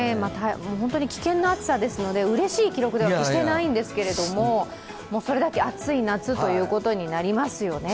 本当に危険な暑さですので、うれしい記録では決してないんですが、それだけ暑い夏ということになりますよね。